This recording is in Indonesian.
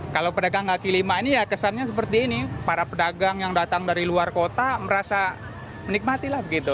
kalau pedagang kaki lima ini ya kesannya seperti ini para pedagang yang datang dari luar kota merasa menikmati lah begitu